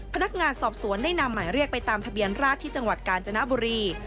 พนักงานสอบสวนได้นำหมายเรียกไปตามทะเบียนราชที่จังหวัดกาญจนบุรี